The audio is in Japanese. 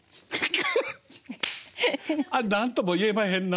あれ何とも言えまへんな。